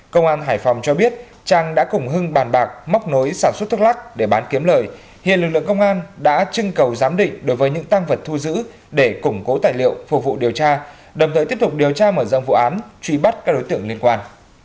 công an hải phòng cho biết trang đã cùng hưng bàn bạc móc nối sản xuất thuốc lắc để bán kiếm lời hiện lực lượng công an đã trưng cầu giám định đối với những tăng vật thu giữ để củng cố tài liệu phục vụ điều tra đồng thời tiếp tục điều tra mở rộng vụ án truy bắt các đối tượng liên quan